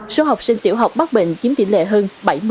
số học sinh tiểu học bác bệnh chiếm tỉ lệ hơn bảy mươi